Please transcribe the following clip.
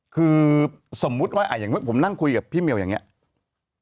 คือสมมุติว่าอย่างผมนั่งคุยกับพี่เมียวอย่างนี้